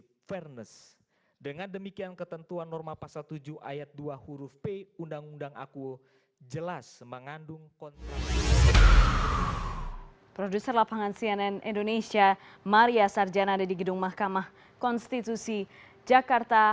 produser lapangan cnn indonesia maria sarjana ada di gedung mahkamah konstitusi jakarta